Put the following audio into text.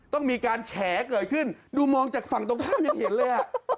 ต้องมีการแฉเกิดขึ้นดูมองจากฝั่งตรงข้ามยังเห็นเลย